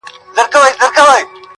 سړی به ولې بد ګمان کوي؟